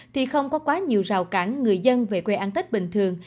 thì không có quá nhiều rào cản người dân về quê ăn tết bình thường